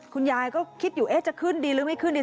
คุณยายก็คิดอยู่เอ๊ะจะขึ้นดีหรือไม่ขึ้นดี